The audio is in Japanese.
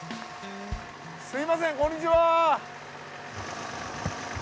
すみませんこんにちは！